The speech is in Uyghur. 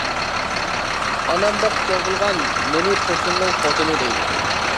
ئانام بېقىپ چوڭ قىلغان مېنى تۇرسۇننىڭ خوتۇنى دەيدۇ.